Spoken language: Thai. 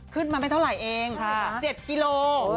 ขึ้นมาไม่เท่าไหร่เอง๗กิโล